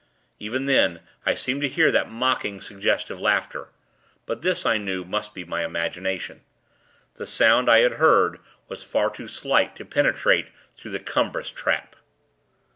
Even then, I seemed to hear that mocking, suggestive laughter; but this, I knew, must be my imagination. The sound, I had heard, was far too slight to penetrate through the cumbrous trap.